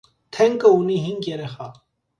Թենկը ունի հինգ երեխա։